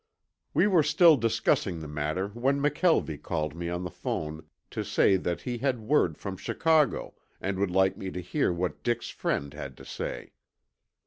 We were still discussing the matter when McKelvie called me on the phone to say that he had word from Chicago and would like me to hear what Dick's friend had to say.